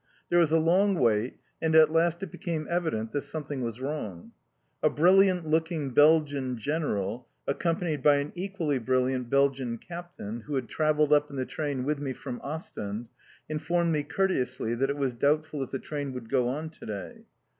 There was a long wait, and at last it became evident that something was wrong. A brilliant looking Belgian General, accompanied by an equally brilliant Belgian Captain, who had travelled up in the train with me from Ostend, informed me courteously, that it was doubtful if the train would go on to day.